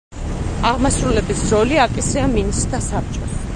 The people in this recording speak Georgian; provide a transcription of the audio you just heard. აღმასრულებლის როლი აკისრია მინისტრთა საბჭოს.